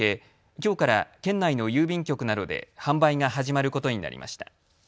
きょうから県内の郵便局などで販売が始まることになりました。